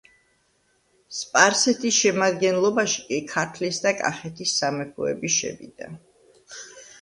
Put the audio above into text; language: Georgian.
სპარსეთის შემადგენლობაში კი ქართლის და კახეთის სამეფოები შევიდა.